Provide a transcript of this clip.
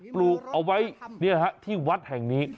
ปลูกเอาไว้ที่วัดแห่งนี้